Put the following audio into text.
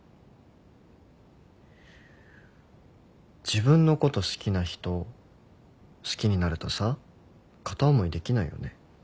自分のこと好きな人好きになるとさ片思いできないよね。